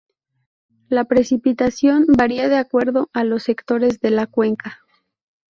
La precipitación varía de acuerdo a los sectores de la cuenca.